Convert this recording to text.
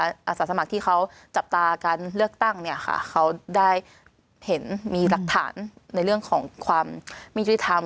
อาสาสมัครที่เขาจับตาการเลือกตั้งเนี่ยค่ะเขาได้เห็นมีหลักฐานในเรื่องของความยุติธรรม